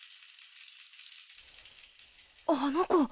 あの子。